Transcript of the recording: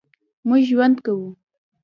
مونږ ژوند کوو